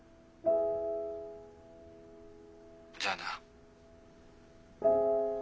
じゃあな。